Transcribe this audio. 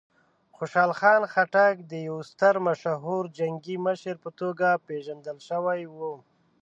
خوشحال خان خټک د یوه ستر مشهوره جنګي مشر په توګه پېژندل شوی و.